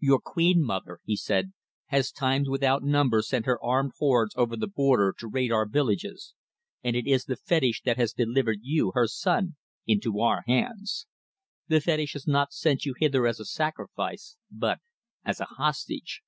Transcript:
"Your queen mother," he said, "has times without number sent her armed hordes over the border to raid our villages, and it is the fetish that has delivered you, her son, into our hands. The fetish has not sent you hither as a sacrifice, but as a hostage.